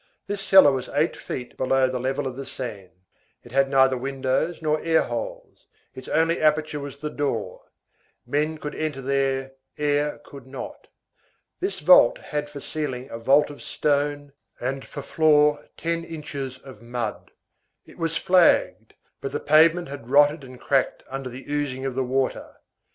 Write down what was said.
This cellar was eight feet below the level of the Seine. It had neither windows nor air holes, its only aperture was the door; men could enter there, air could not. This vault had for ceiling a vault of stone, and for floor ten inches of mud. It was flagged; but the pavement had rotted and cracked under the oozing of the water.